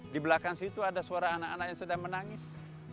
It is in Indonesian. di belakang situ ada suara anak anak yang sedang menangis